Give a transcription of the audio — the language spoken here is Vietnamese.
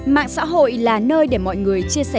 mạng xã hội là nơi để mọi người chia sẻ